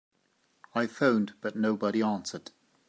I phoned but nobody answered.